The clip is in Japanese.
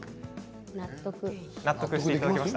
納得。